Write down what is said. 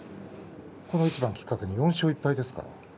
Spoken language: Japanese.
この一番をきっかけに４勝１敗ですが。